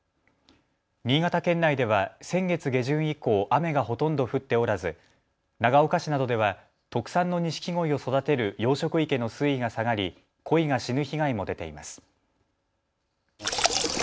新潟県内では先月下旬以降、雨がほとんど降っておらず長岡市などでは特産のニシキゴイを育てる養殖池の水位が下がりコイが死ぬ被害も出ています。